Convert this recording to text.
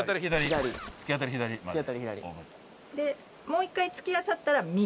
もう１回突き当たったら右。